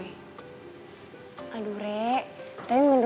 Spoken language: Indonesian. aduh re tapi menurut gue ya lo tuh jangan terlalu gambar gambar